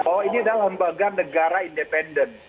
bahwa ini adalah lembaga negara independen